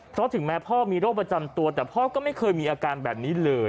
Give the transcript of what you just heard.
เพราะถึงแม้พ่อมีโรคประจำตัวแต่พ่อก็ไม่เคยมีอาการแบบนี้เลย